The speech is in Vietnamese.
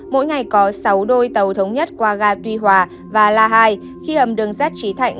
mỗi ngày có sáu đôi tàu thống nhất qua ga tuy hòa và la hai khi hầm đường sắt trí thạnh